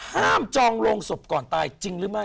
จองโรงศพก่อนตายจริงหรือไม่